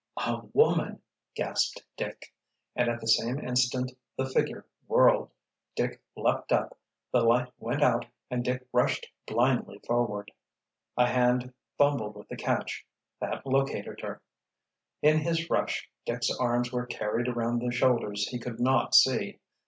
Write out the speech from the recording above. "A woman!" gasped Dick, and at the same instant the figure whirled, Dick leaped up, the light went out and Dick rushed blindly forward. A hand fumbled with the catch: that located her. In his rush, Dick's arms were carried around the shoulders he could not see.